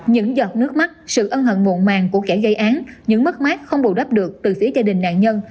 những giọt nước mắt sự ân hận mộn màng của kẻ gây án những mất mát không đủ đáp được từ phía gia đình nạn nhân